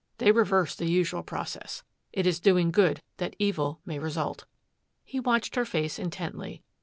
They reverse the usual process. It is doing good that evil may result." He watched her face intently.